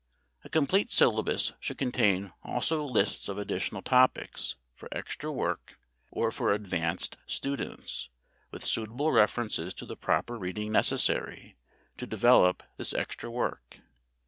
A complete syllabus should contain also lists of additional topics for extra work or for advanced students, with suitable references to the proper reading necessary to develop this extra work.